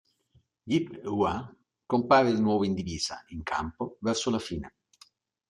Yip-Hua compare di nuovo in divisa, in campo, verso la fine.